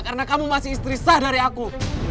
karena kamu masih istri sah dari aku